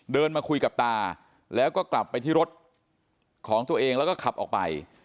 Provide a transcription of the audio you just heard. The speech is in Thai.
เดินมาคุยกับตาแล้วก็กลับไปที่รถของตัวเองแล้วก็ขับออกไป